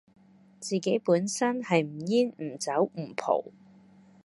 自己本身係唔煙唔酒唔浦